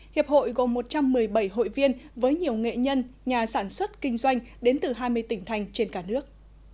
hiệp hội gồm một trăm một mươi bảy hội viên với nhiều nghệ nhân nhà sản xuất kinh doanh đến từ hai mươi tỉnh thành trên cả nước